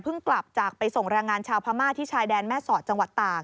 กลับจากไปส่งแรงงานชาวพม่าที่ชายแดนแม่สอดจังหวัดตาก